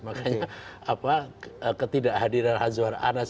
makanya apa ketidakhadiran azwar anas